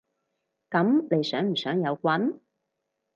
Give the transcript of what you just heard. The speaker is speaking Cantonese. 噉你想唔想有棍？